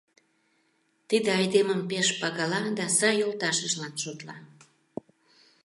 Тиде айдемым пеш пагала да сай йолташыжлан шотла.